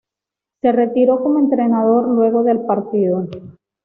Se retiró como entrenador luego del partido.